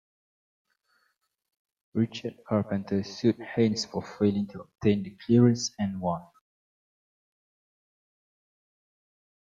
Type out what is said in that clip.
Richard Carpenter sued Haynes for failing to obtain the clearances and won.